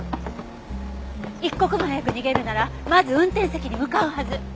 一刻も早く逃げるならまず運転席に向かうはず。